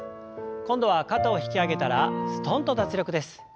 今度は肩を引き上げたらすとんと脱力です。